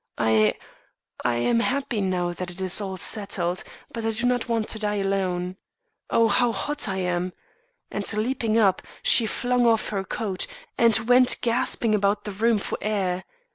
'I I am happy now that it is all settled; but I do not want to die alone. Oh, how hot I am!' And leaping up, she flung off her coat, and went gasping about the room for air.